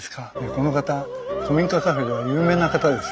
この方古民家カフェでは有名な方ですよ。